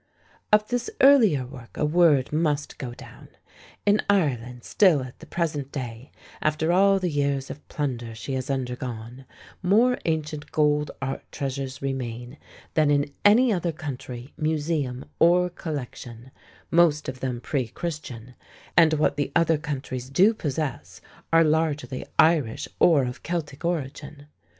Of this earlier work a word must go down. In Ireland still at the present day, after all the years of plunder she has undergone, more ancient gold art treasures remain than in any other country, museum, or collection, most of them pre Christian, and what the other countries do possess are largely Irish or of Celtic origin.